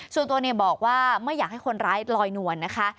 ส่วนตัวบอกว่าไม่อยากให้คนร้ายลอยนวลนะคะ